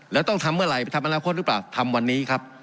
แล้วต้องทำเมื่อไหร่ไปทำอนาคตหรือเปล่าทำวันนี้ครับ